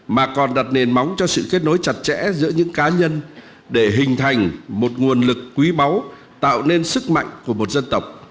mà còn đặt nền móng cho sự kết nối chặt chẽ giữa những cá nhân để hình thành một nguồn lực quý báu tạo nên sức mạnh của một dân tộc